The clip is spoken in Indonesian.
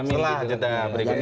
setelah jeda berikutnya